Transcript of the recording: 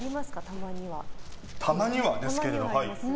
たまにはですけど。